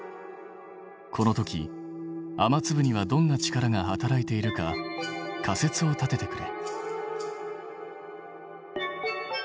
この時雨粒にはどんな力が働いているか仮説を立ててくれ。